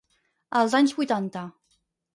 Als anys vuitanta.